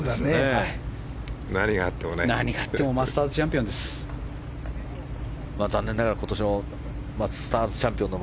何があってもマスターズチャンピオンです。